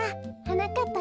はなかっ